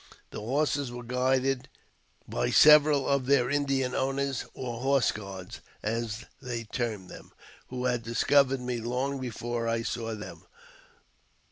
The horses were guarded by several of their Indian owners, or horse guards, as they term them, who had discovered me long before I saw them.